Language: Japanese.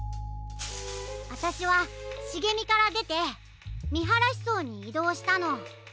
あたしはしげみからでてみはらしそうにいどうしたの。